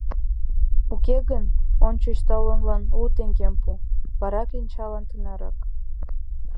Уке гын, ончыч талонлан лу теҥгем пу, вара кленчалан тынарак.